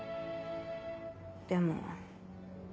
でも。